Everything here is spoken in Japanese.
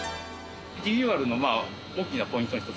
リニューアルの大きなポイントの１つ。